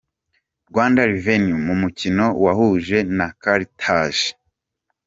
Rwanda Revenue mu mukino wayihuje na Carthage.